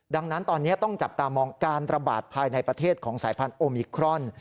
ดังนั้นตอนนี้ต้องจับตามองการระบาดภายในประเทศของสายพันธุมิครอน